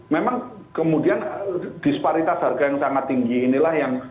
memang kemudian disparitas harga yang sangat tinggi inilah yang